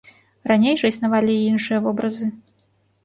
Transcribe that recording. Раней жа існавалі і іншыя вобразы.